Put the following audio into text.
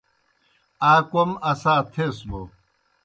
آ کوْم اسا تھیس بوْ